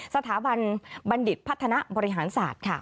สถาบันบัณฑิตพัฒนาบริหารศาสตร์ค่ะ